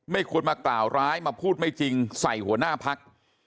ควรมากล่าวร้ายมาพูดไม่จริงใส่หัวหน้าพัก